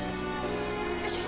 よいしょ。